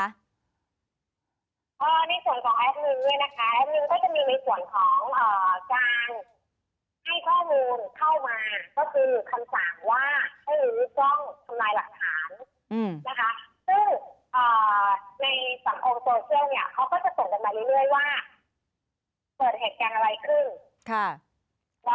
ในส่วนของแอดมินเนี่ยนะคะแอดมินก็จะมีในส่วนของการให้ข้อมูลเข้ามา